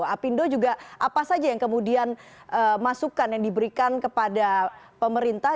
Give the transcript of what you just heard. apindo juga apa saja yang kemudian masukan yang diberikan kepada pemerintah